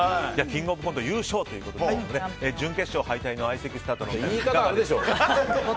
「キングオブコント」優勝ということで、準決勝敗退の相席スタートの。